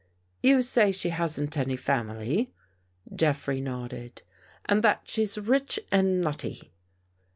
" You say she hasn't any family? " Jeffrey nodded. "And that she's rich and nutty?"